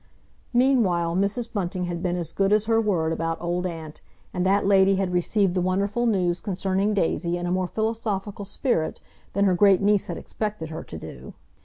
Meanwhile Mrs. Bunting had been as good as her word about "Old Aunt," and that lady had received the wonderful news concerning Daisy in a more philosophical spirit than her great niece had expected her to do.